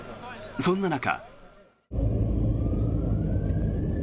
そんな中。